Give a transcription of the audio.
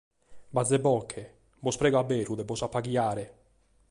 Bage·bos·nche, bos prego a beru, de bos apaghiare!».